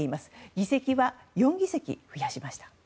議席は４議席を増やしました。